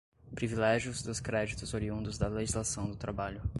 privilégios dos créditos oriundos da legislação do trabalho